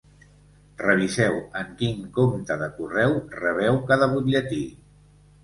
Reviseu en quin compte de correu rebeu cada butlletí.